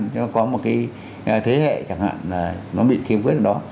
nó có một cái thế hệ chẳng hạn là nó bị khiếm khuyết ở đó